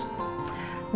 gak apa apa randy